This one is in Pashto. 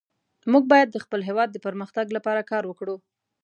موږ باید د خپل هیواد د پرمختګ لپاره کار وکړو